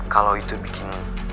kalau itu bikin